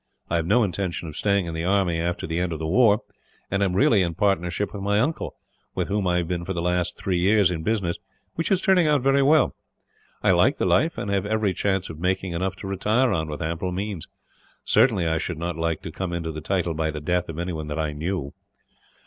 I have no intention of staying in the army, after the end of the war; and am really in partnership with my uncle, with whom I have been for the last three years in business, which is turning out very well. I like the life, and have every chance of making enough to retire on, with ample means. Certainly, I should not like to come into the title by the death of anyone that I knew."